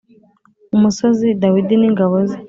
umusozi Dawidi n ingabo ze